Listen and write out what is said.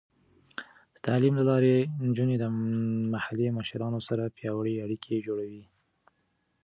د تعلیم له لارې، نجونې د محلي مشرانو سره پیاوړې اړیکې جوړوي.